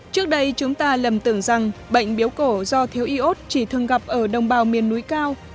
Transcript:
trước đây chúng ta lầm tưởng rằng bệnh biếu cổ do thiếu iốt chỉ thường gặp ở đồng bào miền núi cao